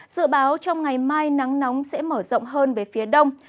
dự báo trong ngày mai nắng nóng sẽ mở rộng hơn về phía đông